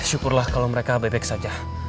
syukurlah kalau mereka baik baik saja